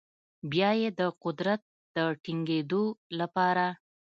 بیا یې د قدرت د ټینګیدو لپاره